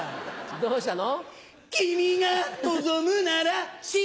どうしたの？